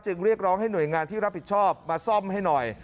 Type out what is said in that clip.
เรียกร้องให้หน่วยงานที่รับผิดชอบมาซ่อมให้หน่อย